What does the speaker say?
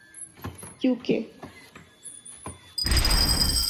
you کے